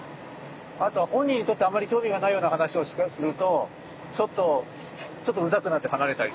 あとは本人にとってあんまり興味がないような話をするとちょっとちょっとうざくなって離れたりとか。